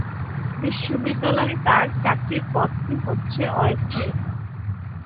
বিশ্ববিদ্যালয়ে তাঁর চাকরির পদটি হচ্ছে অস্থায়ী।